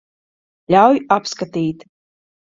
Ļauj apskatīt.